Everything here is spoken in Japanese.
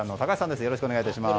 よろしくお願いします。